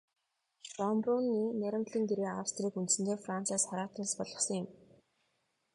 Шёнбрунны найрамдлын гэрээ Австрийг үндсэндээ Францаас хараат улс болгосон юм.